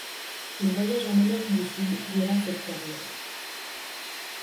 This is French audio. Il voyage en Amérique du Sud durant cette période.